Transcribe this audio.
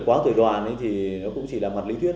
quá tuổi đoàn thì nó cũng chỉ là mặt lý thuyết